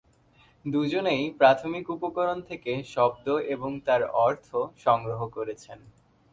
দুজনেই প্রাথমিক উপকরণ থেকে শব্দ এবং তার অর্থ সংগ্রহ করেছেন।